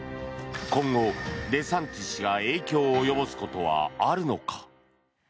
今後、デサンティス氏が影響を及ぼすことはあるのか。